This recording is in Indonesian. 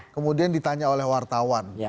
kemudian ditanya oleh wartawan